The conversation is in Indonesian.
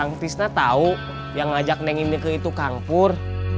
kang tisna tau yang ngajak neng ineke itu kang pur